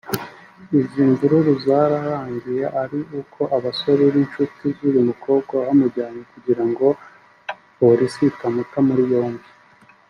Izi mvururu zarangiye ari uko abasore b’inshuti z’uyu mukobwa bamujyanye kugira ngo polisi itamuta muri yombi